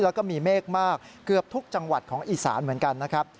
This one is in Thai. แล้วก็มีเมฆมากเกือบทุกจังหวัดของอีสานเหมือนกันนะครับ